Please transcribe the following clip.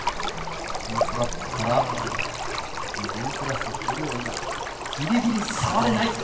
トラップからドウグラス・グローリがギリギリ触れない。